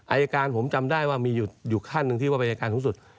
อายการผมจำได้ว่ามีอยู่ขั้นหนึ่งที่ว่าอายการสูงสุด